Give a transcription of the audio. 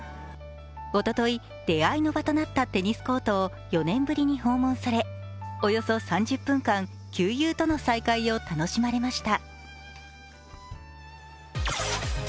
おととい、出会いの場となったテニスコートを４年ぶりに訪問されおよそ３０分間、旧友との再会を楽しまれました。